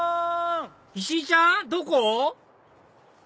石井ちゃんどこ？